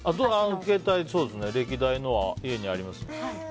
携帯、歴代のは家にありますよ。